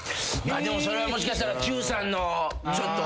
でもそれはもしかしたら注さんのちょっと。